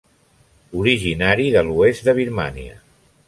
Originari de l'oest de Birmània.